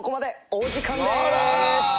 お時間です。